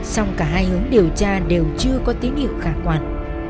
song cả hai hướng điều tra đều chưa có tín hiệu khả quan